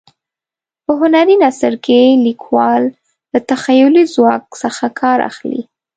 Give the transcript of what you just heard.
په هنري نثر کې لیکوال له تخیلي ځواک څخه کار اخلي.